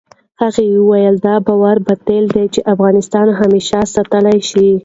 هغه وویل، دا باور باطل دی چې افغانستان همېشه ساتلای شي.